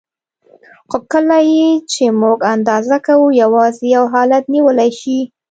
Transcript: خو کله یې چې موږ اندازه کوو یوازې یو حالت نیولی شي.